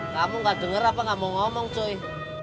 kamu enggak dengar apa enggak mau ngomong cuy